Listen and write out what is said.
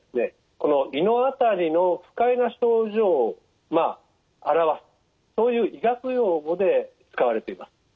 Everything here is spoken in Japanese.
この胃の辺りの不快な症状を表すそういう医学用語で使われています。